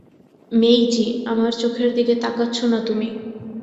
মেইজি, আমার চোখের দিকে তাকাচ্ছো না তুমি।